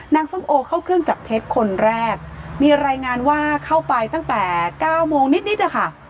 ส้มโอเข้าเครื่องจับเท็จคนแรกมีรายงานว่าเข้าไปตั้งแต่เก้าโมงนิดนิดอะค่ะ